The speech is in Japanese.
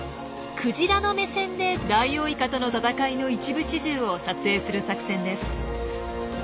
クジラの目線でダイオウイカとの闘いの一部始終を撮影する作戦です。